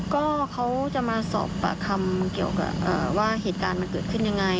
ก็เขาจะมาสอบปากคำเกี่ยวกับว่าเหตุการณ์มันเกิดขึ้นยังไง